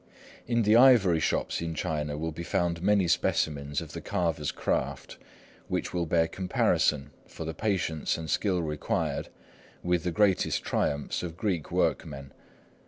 In the ivory shops in China will be found many specimens of the carver's craft which will bear comparison, for the patience and skill required, with the greatest triumphs of Greek workmen.